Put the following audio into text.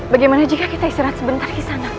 bagaimana jika kita istirahat sebentar kisana